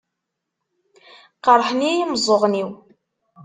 Qeṛḥen-iyi imeẓẓuɣen-iw.